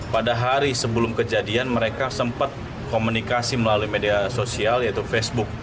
pada hari sebelum kejadian mereka sempat komunikasi melalui media sosial yaitu facebook